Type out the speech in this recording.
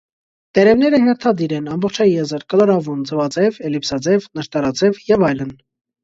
Տերևները հերթադիր են, ամբողջաեզր, կլորավուն, ձվաձև, էլիպսաձև, նշտարաձև և այլն։